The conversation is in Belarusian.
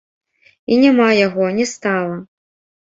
І няма яго, не стала.